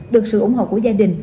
được sự ủng hộ của gia đình